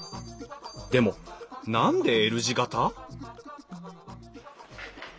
でも何でＬ字形？